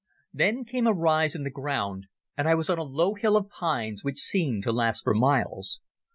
Then came a rise in the ground and I was on a low hill of pines which seemed to last for miles.